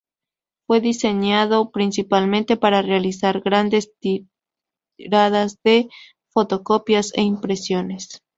Fue diseñado principalmente para realizar grandes tiradas de fotocopias e impresiones.